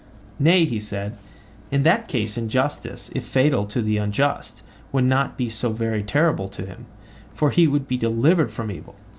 Nay, he said, in that case injustice, if fatal to the unjust, will not be so very terrible to him, for he will be delivered from evil.